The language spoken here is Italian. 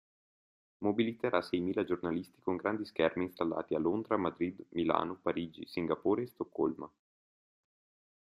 Mobiliterà seimila giornalisti con grandi schermi installati a Londra, Madrid, Milano, Parigi, Singapore e Stoccolma.